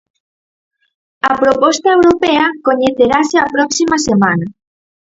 A proposta europea coñecerase a próxima semana.